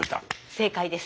正解です。